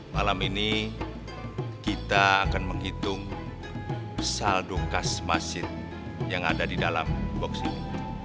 malam ini kita akan menghitung saldo khas masjid yang ada di dalam box ini